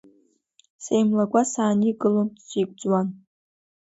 Сеимлагәа сааникылон, сигәӡуан.